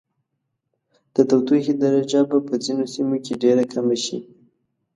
د تودوخې درجه به په ځینو سیمو کې ډیره کمه شي.